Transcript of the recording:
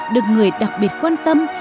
được người đặc biệt quan tâm